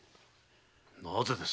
なぜです？